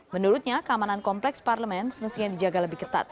menurutnya keamanan kompleks parlemen semestinya dijaga lebih ketat